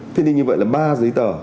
thế thì như vậy là ba giấy tờ